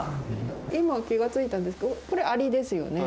今気がついたんですけどこれアリですよね。